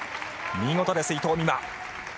見事です、伊藤美誠。